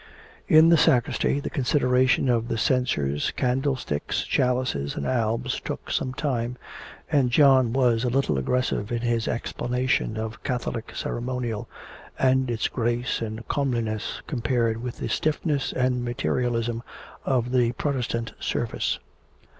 In the sacristy the consideration of the censers, candle sticks, chalices, and albs took some time, and John was a little aggressive in his explanation of Catholic ceremonial, and its grace and comeliness compared with the stiffness and materialism of the Protestant service.